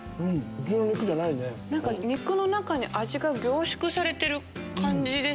肉の中に味が凝縮されてる感じ。